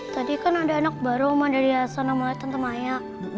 tadi kan ada anak baru oma dari sana melihat tante maya